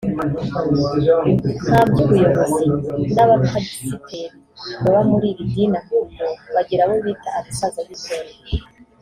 nta by’ubuyobozi n’abapasiteri baba muri iri dini ahubwo bagira abo bita abasaza b’itorero